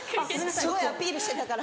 すごいアピールしてたから。